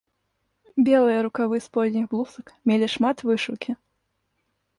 Белыя рукавы сподніх блузак мелі шмат вышыўкі.